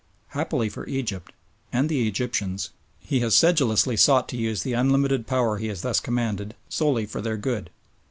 Happily for Egypt and the Egyptians, he has sedulously sought to use the unlimited power he has thus commanded solely for their good.